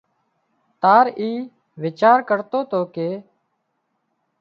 تار اي ويچار ڪرتو تو ڪي